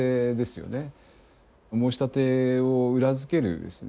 申し立てを裏付けるですね